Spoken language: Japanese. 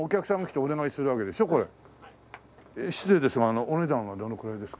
失礼ですがお値段はどのくらいですか？